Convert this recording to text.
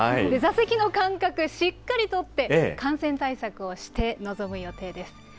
座席の間隔、しっかり取って、感染対策をして、臨む予定です。